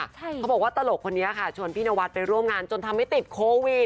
เขาบอกว่าตลกคนนี้ค่ะชวนพี่นวัดไปร่วมงานจนทำให้ติดโควิด